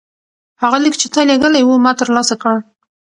هغه لیک چې تا لیږلی و ما ترلاسه کړ.